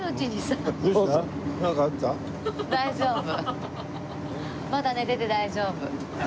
まだ寝てて大丈夫。